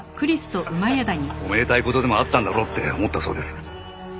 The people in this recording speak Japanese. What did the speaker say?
おめでたい事でもあったんだろうって思ったそうです。